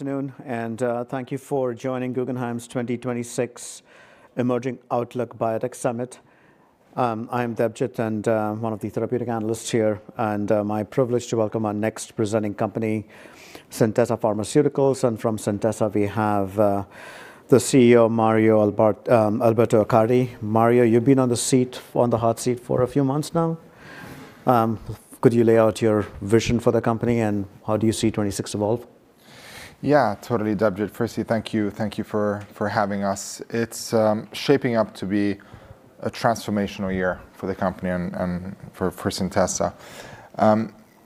Afternoon, and thank you for joining Guggenheim's 2026 Emerging Outlook Biotech Summit. I'm Debjit, and I'm one of the therapeutic analysts here, and my privilege to welcome our next presenting company, Centessa Pharmaceuticals. And from Centessa, we have the CEO, Mario Alberto Accardi. Mario, you've been on the hot seat for a few months now. Could you lay out your vision for the company, and how do you see 2026 evolve? Yeah, totally, Debjit. Firstly, thank you. Thank you for having us. It's shaping up to be a transformational year for the company and for Centessa.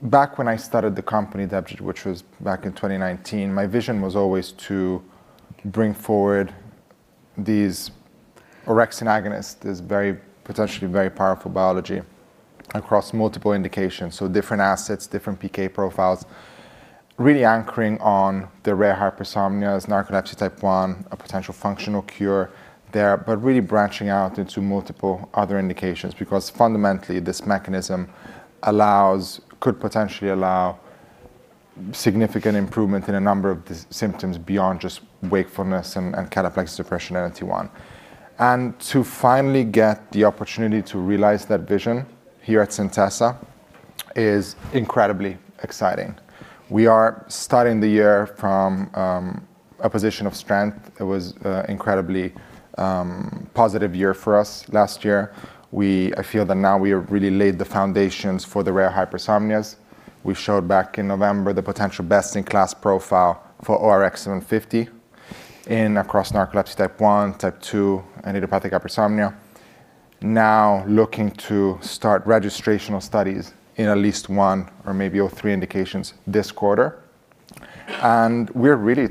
Back when I started the company, Debjit, which was back in 2019, my vision was always to bring forward these orexin agonists, this very potentially very powerful biology, across multiple indications. So different assets, different PK profiles, really anchoring on the rare hypersomnias, narcolepsy type 1, a potential functional cure there, but really branching out into multiple other indications. Because fundamentally, this mechanism could potentially allow significant improvement in a number of these symptoms beyond just wakefulness and cataplexy suppression in NT1. And to finally get the opportunity to realize that vision here at Centessa is incredibly exciting. We are starting the year from a position of strength. It was an incredibly positive year for us last year. I feel that now we have really laid the foundations for the rare hypersomnias. We showed back in November the potential best-in-class profile for ORX750 across narcolepsy type 1, type 2, idiopathic hypersomnia. Now looking to start registrational studies in at least one or maybe all three indications this quarter. And we're really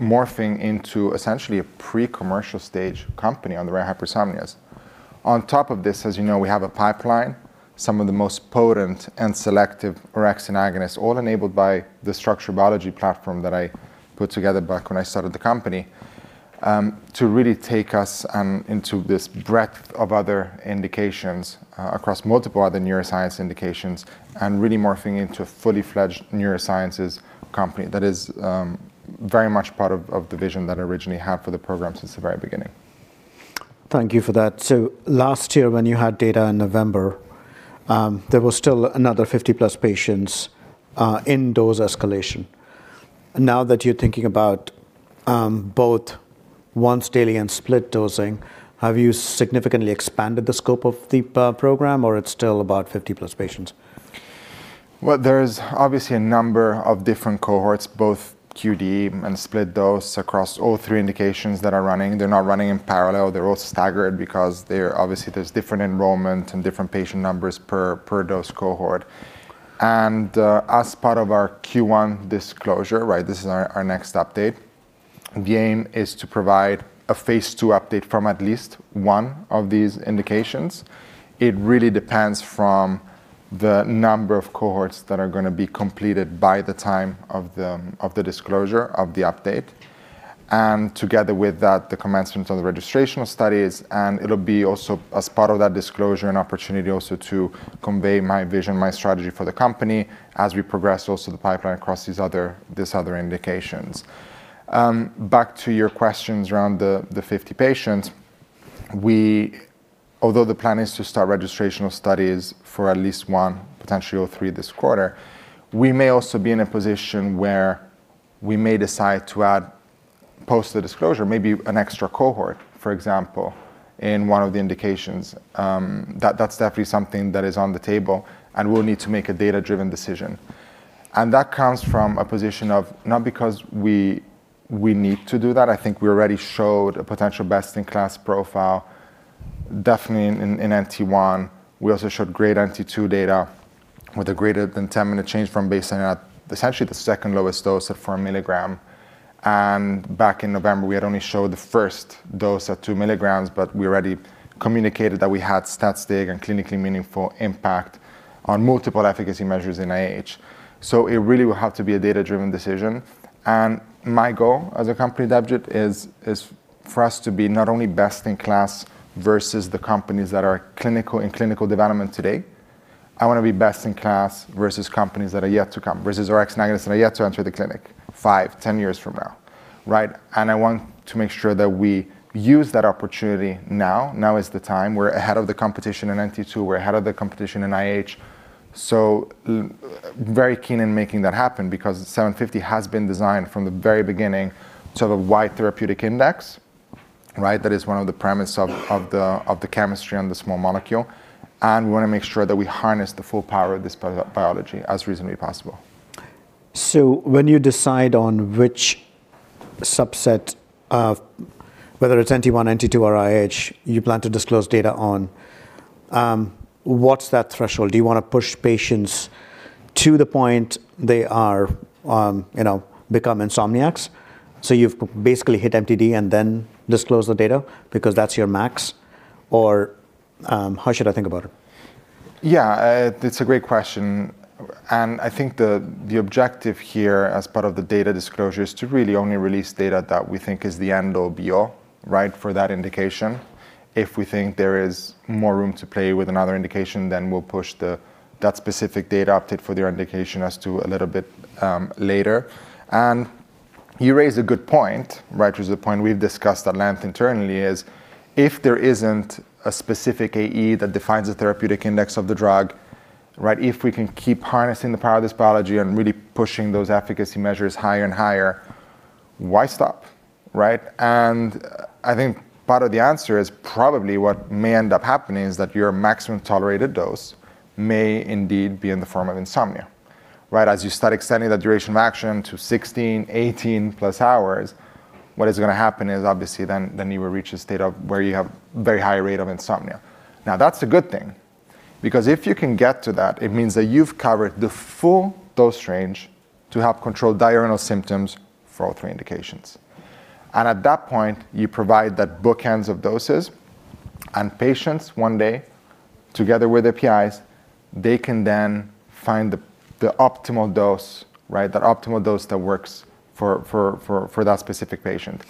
morphing into essentially a pre-commercial stage company on the rare hypersomnias. On top of this, as you know, we have a pipeline, some of the most potent and selective orexin agonists, all enabled by the structural biology platform that I put together back when I started the company to really take us into this breadth of other indications across multiple other neuroscience indications, and really morphing into a fully fledged neurosciences company. That is very much part of the vision that I originally had for the program since the very beginning. Thank you for that. So last year, when you had data in November, there was still another 50+ patients in dose escalation. Now that you're thinking about both once-daily and split dosing, have you significantly expanded the scope of the program, or it's still about 50+ patients? Well, there's obviously a number of different cohorts, both QD and split dose, across all three indications that are running. They're not running in parallel. They're all staggered because they're... obviously, there's different enrollment and different patient numbers per dose cohort. And as part of our Q1 disclosure, right, this is our next update, the aim is to provide Phase II update from at least one of these indications. It really depends from the number of cohorts that are gonna be completed by the time of the disclosure of the update, and together with that, the commencement of the registrational studies. And it'll be also, as part of that disclosure, an opportunity also to convey my vision, my strategy for the company as we progress also the pipeline across these other indications. Back to your questions around the 50 patients, we, although the plan is to start registrational studies for at least one, potentially all three this quarter, we may also be in a position where we may decide to add, post the disclosure, maybe an extra cohort, for example, in one of the indications. That's definitely something that is on the table, and we'll need to make a data-driven decision. And that comes from a position of not because we need to do that. I think we already showed a potential best-in-class profile, definitely in NT1. We also showed great NT2 data with a greater than 10-minute change from baseline at essentially the second lowest dose at 4 mg. Back in November, we had only showed the first dose at 2 milligrams, but we already communicated that we had statistically and clinically meaningful impact on multiple efficacy measures in IH. So it really will have to be a data-driven decision. My goal as a company, Debjit, is, is for us to be not only best in class versus the companies that are clinical, in clinical development today. I wanna be best in class versus companies that are yet to come, versus orexin agonists that are yet to enter the clinic 5, 10 years from now, right? And I want to make sure that we use that opportunity now. Now is the time. We're ahead of the competition in NT2. We're ahead of the competition in IH. So, very keen in making that happen because 750 has been designed from the very beginning to have a wide therapeutic index, right? That is one of the premise of the chemistry and the small molecule, and we wanna make sure that we harness the full power of this biology as reasonably possible. So when you decide on which subset of... whether it's NT1, NT2, or IH, you plan to disclose data on, what's that threshold? Do you wanna push patients to the point they are, you know, become insomniacs? So you've basically hit MTD and then disclose the data because that's your max, or, how should I think about it? Yeah, it's a great question, and I think the objective here, as part of the data disclosure, is to really only release data that we think is the end all be all, right, for that indication. If we think there is more room to play with another indication, then we'll push that specific data update for the indication out to a little bit later. You raise a good point, right? Which is a point we've discussed at length internally, is if there isn't a specific AE that defines the therapeutic index of the drug, right? If we can keep harnessing the power of this biology and really pushing those efficacy measures higher and higher, why stop? Right. I think part of the answer is probably what may end up happening is that your maximum tolerated dose may indeed be in the form of insomnia, right? As you start extending the duration of action to 16, 18+ hours, what is gonna happen is obviously, then you will reach a state of where you have very high rate of insomnia. Now, that's a good thing, because if you can get to that, it means that you've covered the full dose range to help control diurnal symptoms for all three indications. And at that point, you provide that bookends of doses and patients one day, together with their PIs, they can then find the optimal dose, right? That optimal dose that works for that specific patient.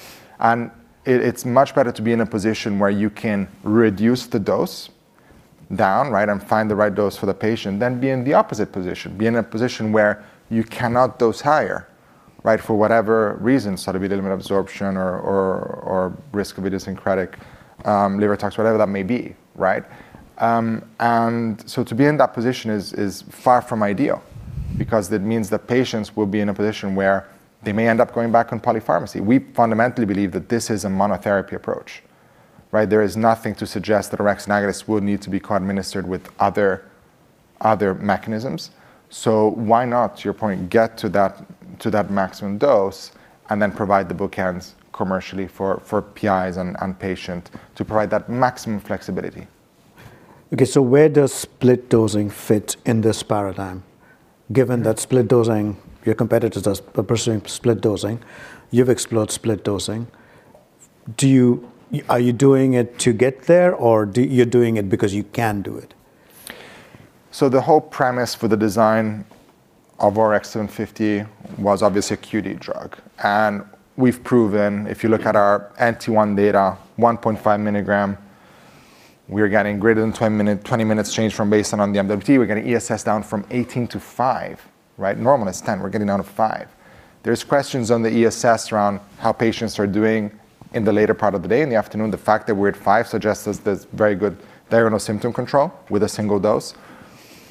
It's much better to be in a position where you can reduce the dose down, right? And find the right dose for the patient than be in the opposite position. Be in a position where you cannot dose higher, right? For whatever reason, sort of limited absorption or risk of idiosyncratic liver tox, whatever that may be, right? And so to be in that position is far from ideal, because it means that patients will be in a position where they may end up going back on polypharmacy. We fundamentally believe that this is a monotherapy approach, right? There is nothing to suggest that orexin agonists will need to be co-administered with other mechanisms. So why not, to your point, get to that maximum dose and then provide the bookends commercially for PIs and patient to provide that maximum flexibility. Okay, so where does split dosing fit in this paradigm, given that split dosing—your competitors are pursuing split dosing, you've explored split dosing. Do you—are you doing it to get there, or do—you're doing it because you can do it? So the whole premise for the design of ORX750 was obviously a QD drug. And we've proven, if you look at our NT1 data, 1.5 milligram, we're getting greater than 20 minutes change from baseline on the MWT. We're getting ESS down from 18 to 5, right? Normal is 10. We're getting down to 5. There's questions on the ESS around how patients are doing in the later part of the day, in the afternoon. The fact that we're at 5 suggests there's, there's very good diurnal symptom control with a single dose.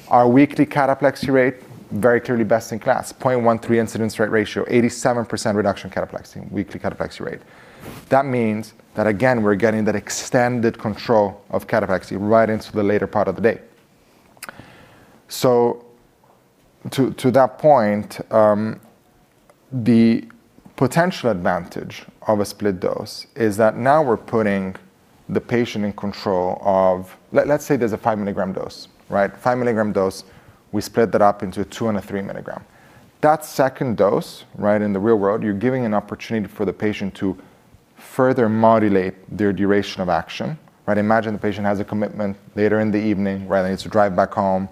Our weekly cataplexy rate, very clearly best in class, 0.13 incidence rate ratio, 87% reduction in cataplexy, weekly cataplexy rate. That means that again, we're getting that extended control of cataplexy right into the later part of the day. So to that point, the potential advantage of a split dose is that now we're putting the patient in control of. Let's say there's a 5-milligram dose, right? 5-milligram dose, we split that up into a 2- and a 3-milligram. That second dose, right, in the real world, you're giving an opportunity for the patient to further modulate their duration of action, right? Imagine the patient has a commitment later in the evening, right, and needs to drive back home.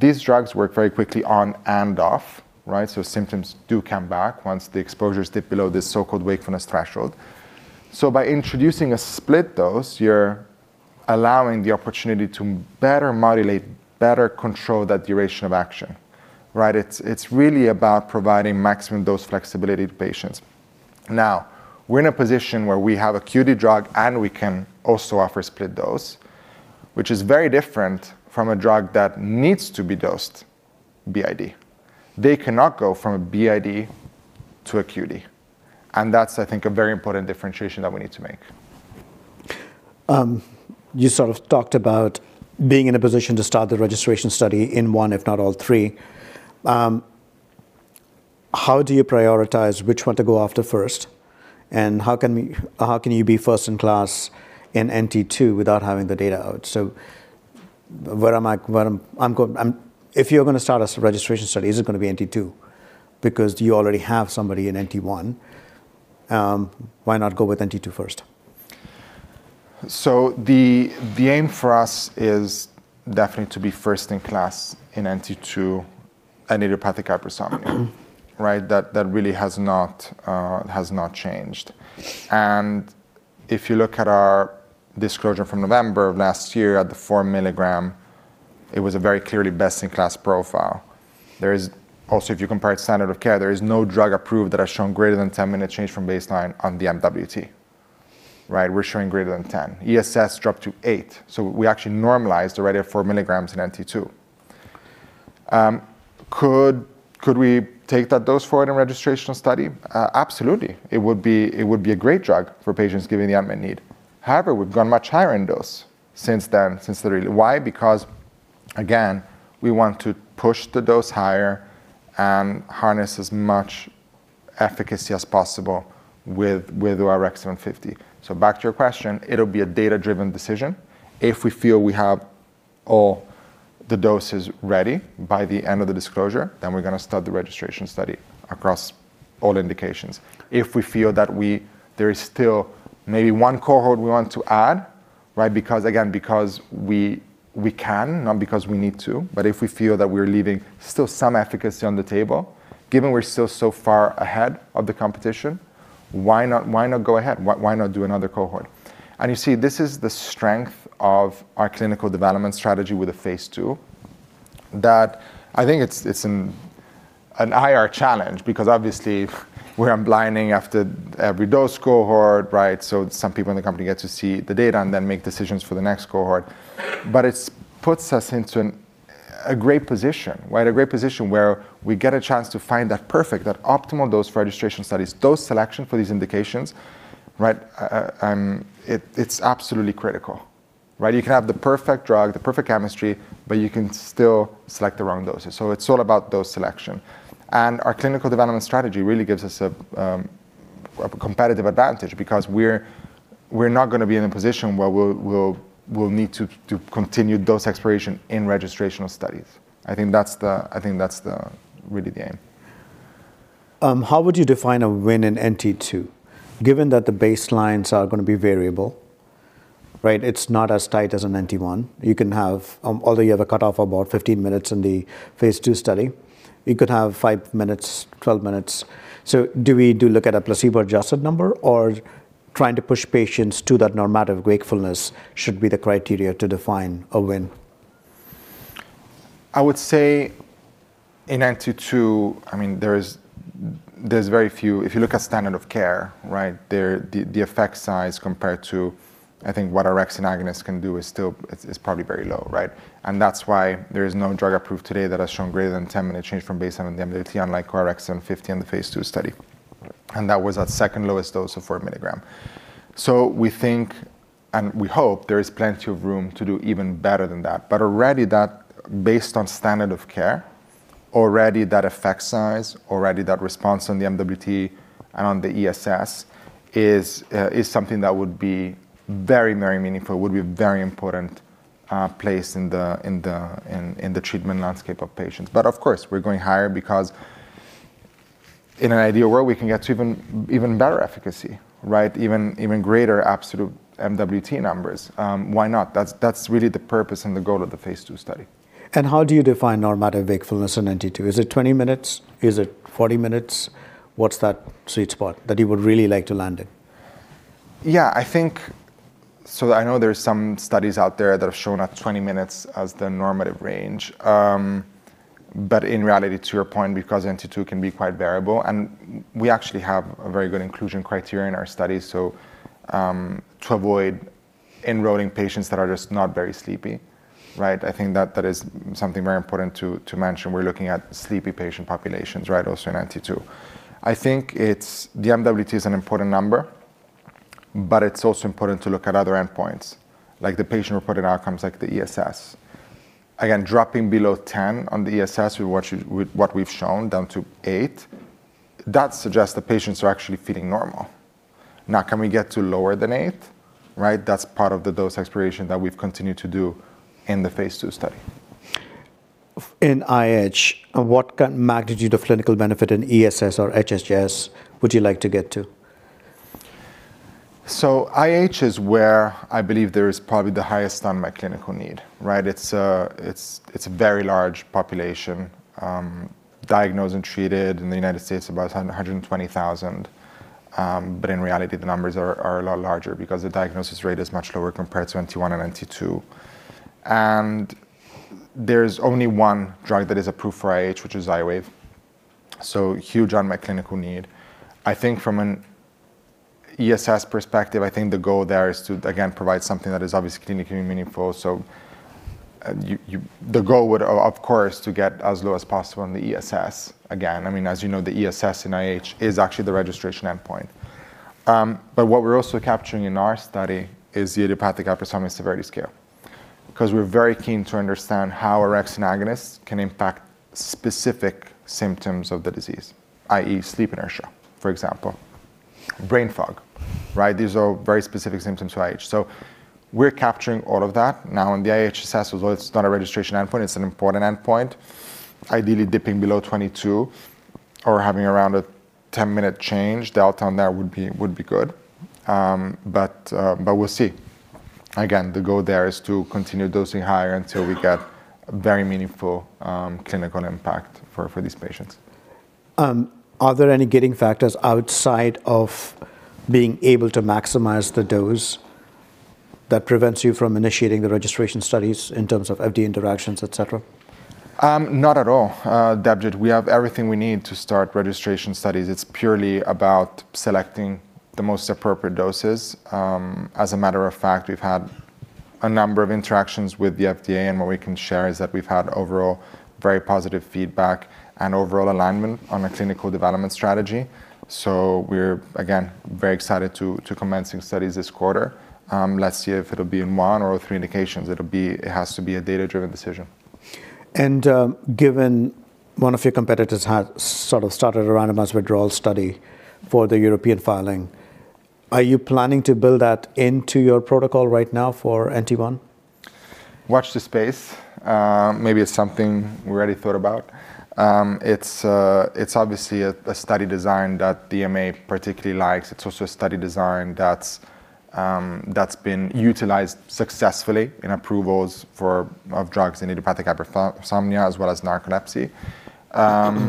These drugs work very quickly on and off, right? So symptoms do come back once the exposure dips below this so-called wakefulness threshold. So by introducing a split dose, you're allowing the opportunity to better modulate, better control that duration of action, right? It's really about providing maximum dose flexibility to patients. Now, we're in a position where we have a QD drug, and we can also offer split dose, which is very different from a drug that needs to be dosed BID. They cannot go from a BID to a QD, and that's, I think, a very important differentiation that we need to make. You sort of talked about being in a position to start the registration study in one, if not all, three. How do you prioritize which one to go after first, and how can you be first in class in NT2 without having the data out? If you're gonna start a registration study, is it gonna be NT2? Because you already have somebody in NT one, why not go with NT2 first? So the aim for us is definitely to be first in class in NT2 and idiopathic hypersomnia, right? That really has not changed. And if you look at our disclosure from November of last year, at the 4-milligram, it was a very clearly best-in-class profile. Also, if you compare it to standard of care, there is no drug approved that has shown greater than 10-minute change from baseline on the MWT, right? We're showing greater than 10. ESS dropped to 8, so we actually normalized already at 4 milligrams in NT2. Could we take that dose forward in registrational study? Absolutely. It would be a great drug for patients, given the unmet need. However, we've gone much higher in dose since then, since the release. Why? Because, again, we want to push the dose higher and harness as much efficacy as possible with, with ORX750. So back to your question, it'll be a data-driven decision. If we feel we have all the doses ready by the end of the disclosure, then we're gonna start the registration study across all indications. If we feel that we-- there is still maybe one cohort we want to add, right? Because again, because we, we can, not because we need to, but if we feel that we're leaving still some efficacy on the table, given we're still so far ahead of the competition, why not, why not go ahead? Why, why not do another cohort? And you see, this is the strength of our clinical development strategy with a Phase II.... that I think it's an IR challenge, because obviously, we're unblinding after every dose cohort, right? So some people in the company get to see the data and then make decisions for the next cohort. But it puts us into a great position, right? A great position where we get a chance to find that perfect, that optimal dose for registration studies. Dose selection for these indications, right? It's absolutely critical, right? You can have the perfect drug, the perfect chemistry, but you can still select the wrong doses. So it's all about dose selection. And our clinical development strategy really gives us a competitive advantage because we're not gonna be in a position where we'll need to continue dose exploration in registrational studies. I think that's really the aim. How would you define a win in NT2, given that the baselines are gonna be variable, right? It's not as tight as an NT1. You can have, although you have a cutoff of about 15 minutes in the Phase II study, you could have 5 minutes, 12 minutes. So do we look at a placebo-adjusted number, or trying to push patients to that normative wakefulness should be the criteria to define a win? I would say in NT2, I mean, there's very few—if you look at standard of care, right? There, the effect size compared to, I think, what orexin agonist can do is still, it's probably very low, right? And that's why there is no drug approved today that has shown greater than 10-minute change from baseline on the MWT, unlike ORX750 on the Phase II study. And that was at second lowest dose of 4 milligram. So we think, and we hope there is plenty of room to do even better than that. But already that based on standard of care, already that effect size, already that response on the MWT and on the ESS is something that would be very, very meaningful, would be a very important place in the treatment landscape of patients. But of course, we're going higher because in an ideal world, we can get to even better efficacy, right? Even greater absolute MWT numbers. Why not? That's really the purpose and the goal of the Phase II study. How do you define normative wakefulness in NT2? Is it 20 minutes? Is it 40 minutes? What's that sweet spot that you would really like to land in? Yeah, I think so I know there's some studies out there that have shown up to 20 minutes as the normative range. But in reality, to your point, because NT2 can be quite variable, and we actually have a very good inclusion criteria in our study. So, to avoid enrolling patients that are just not very sleepy, right? I think that that is something very important to mention. We're looking at sleepy patient populations, right, also in NT2. I think it's... The MWT is an important number, but it's also important to look at other endpoints, like the patient-reported outcomes, like the ESS. Again, dropping below 10 on the ESS, with what we've shown, down to 8, that suggests the patients are actually feeling normal. Now, can we get to lower than 8? Right, that's part of the dose exploration that we've continued to do in the Phase II study. In IH, what kind of magnitude of clinical benefit in ESS or IHSS would you like to get to? So IH is where I believe there is probably the highest unmet clinical need, right? It's a very large population diagnosed and treated in the United States, about 120,000. But in reality, the numbers are a lot larger because the diagnosis rate is much lower compared to NT1 and NT2. And there's only one drug that is approved for IH, which is Xywav, so huge unmet clinical need. I think from an ESS perspective, I think the goal there is to, again, provide something that is obviously clinically meaningful. So you—the goal would, of course, to get as low as possible on the ESS again. I mean, as you know, the ESS in IH is actually the registration endpoint. But what we're also capturing in our study is the Idiopathic Hypersomnia Severity Scale, 'cause we're very keen to understand how orexin agonists can impact specific symptoms of the disease, i.e., sleep inertia, for example, brain fog, right? These are all very specific symptoms to IH. So we're capturing all of that. Now, in the IHSS, although it's not a registration endpoint, it's an important endpoint. Ideally, dipping below 22 or having around a 10-minute change, delta on that would be, would be good. But we'll see. Again, the goal there is to continue dosing higher until we get a very meaningful clinical impact for these patients. Are there any gating factors outside of being able to maximize the dose that prevents you from initiating the registration studies in terms of FDA interactions, et cetera? Not at all, Debjit. We have everything we need to start registration studies. It's purely about selecting the most appropriate doses. As a matter of fact, we've had a number of interactions with the FDA, and what we can share is that we've had overall very positive feedback and overall alignment on the clinical development strategy. So we're, again, very excited to commencing studies this quarter. Let's see if it'll be in one or three indications. It'll be. It has to be a data-driven decision. Given one of your competitors has sort of started a randomized withdrawal study for the European filing, are you planning to build that into your protocol right now for NT1? Watch this space. Maybe it's something we already thought about. It's obviously a study design that EMA particularly likes. It's also a study design that's been utilized successfully in approvals for of drugs in idiopathic hypersomnia as well as narcolepsy...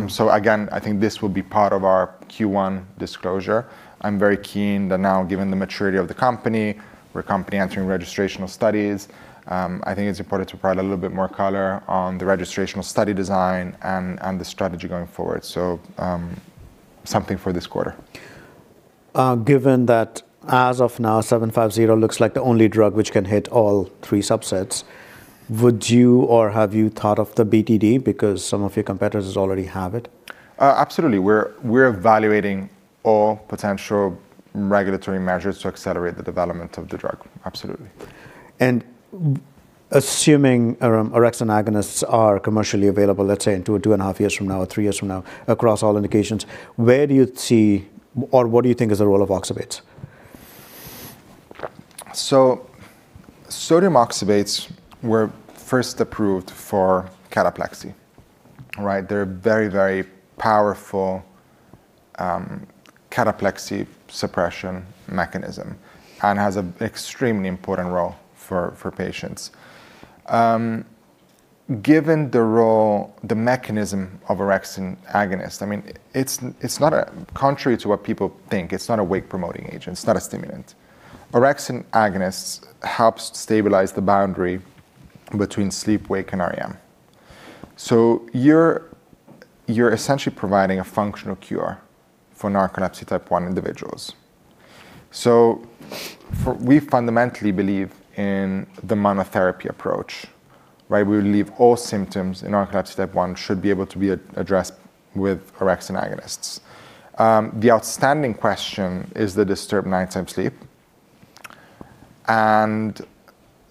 So again, I think this will be part of our Q1 disclosure. I'm very keen that now, given the maturity of the company, we're a company entering registrational studies. I think it's important to provide a little bit more color on the registrational study design and the strategy going forward, so something for this quarter. Given that as of now, ORX750 looks like the only drug which can hit all three subsets, would you or have you thought of the BTD? Because some of your competitors already have it. Absolutely. We're evaluating all potential regulatory measures to accelerate the development of the drug. Absolutely. Assuming orexin agonists are commercially available, let's say in 2, 2.5 years from now, or 3 years from now, across all indications, where do you see or what do you think is the role of oxybates? So sodium oxybates were first approved for cataplexy, right? They're very, very powerful cataplexy suppression mechanism and has an extremely important role for patients. Given the role, the mechanism of orexin agonist, I mean, it's not contrary to what people think, it's not a wake-promoting agent, it's not a stimulant. orexin agonists helps stabilize the boundary between sleep, wake, and REM. So you're essentially providing a functional cure for narcolepsy type 1 individuals. We fundamentally believe in the monotherapy approach, right? We believe all symptoms in narcolepsy type 1 should be able to be addressed with orexin agonists. The outstanding question is the disturbed nighttime sleep, and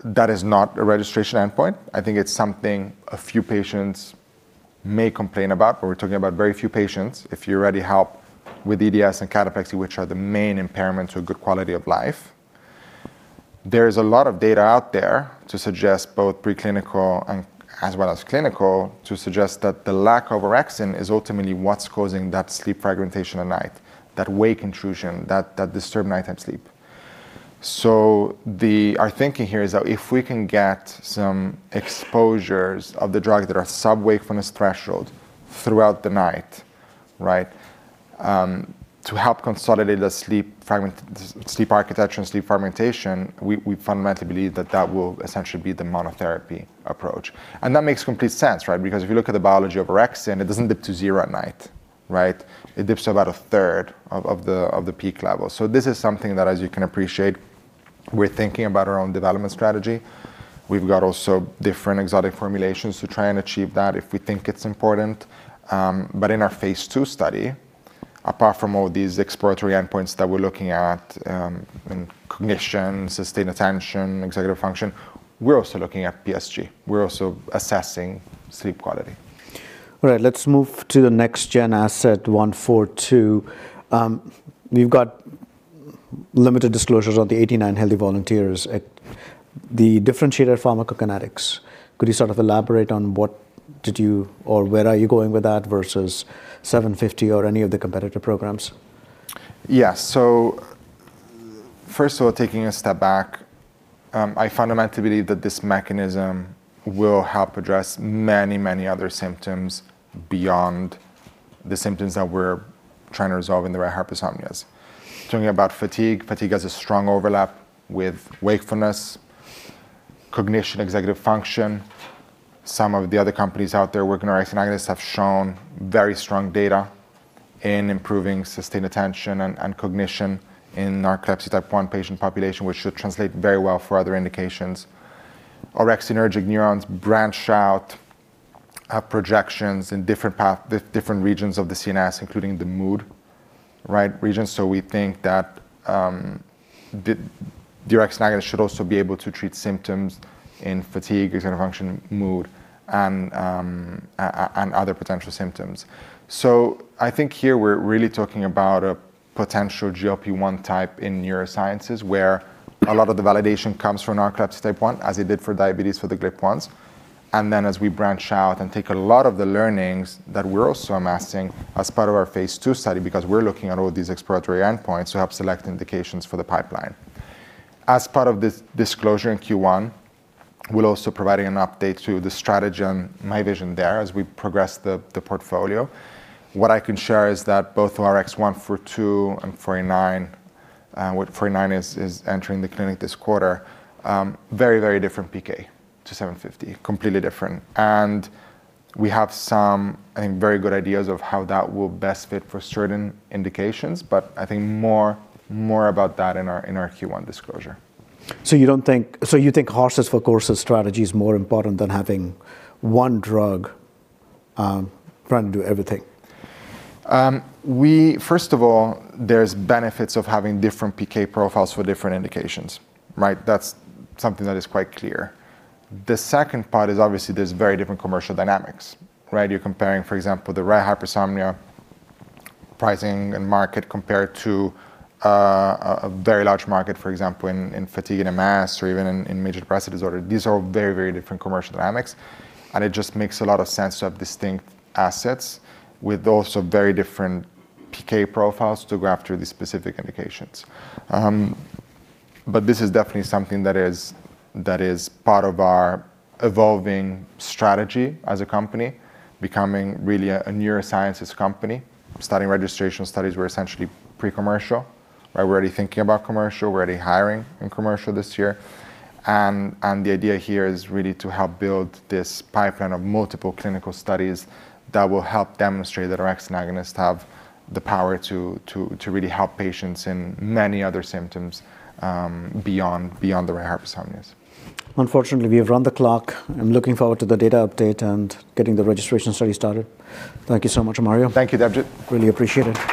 that is not a registration endpoint. I think it's something a few patients may complain about, but we're talking about very few patients. If you already help with EDS and cataplexy, which are the main impairments of good quality of life, there's a lot of data out there to suggest, both preclinical and as well as clinical, to suggest that the lack of orexin is ultimately what's causing that sleep fragmentation at night, that wake intrusion, that disturbed nighttime sleep. So our thinking here is that if we can get some exposures of the drug that are sub wakefulness threshold throughout the night, right? To help consolidate the sleep architecture and sleep fragmentation, we fundamentally believe that that will essentially be the monotherapy approach. And that makes complete sense, right? Because if you look at the biology of orexin, it doesn't dip to zero at night, right? It dips about a third of the peak level. This is something that, as you can appreciate, we're thinking about our own development strategy. We've got also different exotic formulations to try and achieve that if we think it's important. But in our Phase II study, apart from all these exploratory endpoints that we're looking at, in cognition, sustained attention, executive function, we're also looking at PSG. We're also assessing sleep quality. All right, let's move to the next-gen asset, ORX142. We've got limited disclosures on the 89 healthy volunteers at the differentiated pharmacokinetics. Could you sort of elaborate on what did you or where are you going with that versus ORX750 or any of the competitor programs? Yeah. So first of all, taking a step back, I fundamentally believe that this mechanism will help address many, many other symptoms beyond the symptoms that we're trying to resolve in the rare hypersomnias. Talking about fatigue, fatigue has a strong overlap with wakefulness, cognition, executive function. Some of the other companies out there working on orexin agonists have shown very strong data in improving sustained attention and cognition in narcolepsy type 1 patient population, which should translate very well for other indications. Orexinergic neurons branch out, have projections in different regions of the CNS, including the mood regions. So we think that the orexin agonist should also be able to treat symptoms in fatigue, executive function, mood, and other potential symptoms. So I think here we're really talking about a potential GLP-1 type in neurosciences, where a lot of the validation comes from narcolepsy type 1, as it did for diabetes, for the GLP-1s. And then as we branch out and take a lot of the learnings that we're also amassing as part of our Phase II study, because we're looking at all these exploratory endpoints to help select indications for the pipeline. As part of this disclosure in Q1, we're also providing an update to the strategy and my vision there as we progress the portfolio. What I can share is that both ORX142 and ORX142, with ORX142 entering the clinic this quarter, very, very different PK to ORX750, completely different. We have some, I think, very good ideas of how that will best fit for certain indications, but I think more about that in our Q1 disclosure. So you think horses for courses strategy is more important than having one drug try and do everything? First of all, there's benefits of having different PK profiles for different indications, right? That's something that is quite clear. The second part is obviously there's very different commercial dynamics, right? You're comparing, for example, the rare hypersomnia pricing and market compared to a very large market, for example, in fatigue and en masse or even in major depressive disorder. These are very, very different commercial dynamics, and it just makes a lot of sense to have distinct assets with also very different PK profiles to go after the specific indications. But this is definitely something that is part of our evolving strategy as a company, becoming really a neurosciences company. Starting registration studies, we're essentially pre-commercial. We're already thinking about commercial. We're already hiring in commercial this year. And the idea here is really to help build this pipeline of multiple clinical studies that will help demonstrate that orexin agonists have the power to really help patients in many other symptoms beyond the rare hypersomnias. Unfortunately, we have run the clock. I'm looking forward to the data update and getting the registration study started. Thank you so much, Mario. Thank you, Debjit. Really appreciate it.